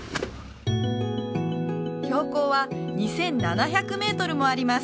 標高は２７００メートルもあります